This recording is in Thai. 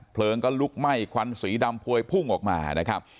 เพลิงก็ลุกไหม้ควันสีดำพวยพุ่งออกมานะครับ